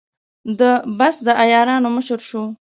د بست د عیارانو مشر شو.